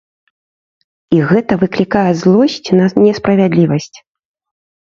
І гэта выклікае злосць на несправядлівасць.